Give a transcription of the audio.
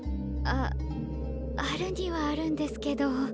ああるにはあるんですけど。